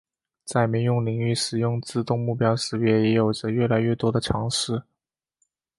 在民用领域使用自动目标识别也有着越来越多的尝试。